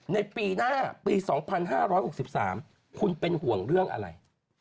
ในปีหน้าปี๒๕๖๓คุณเป็นห่วงเรื่องอะไร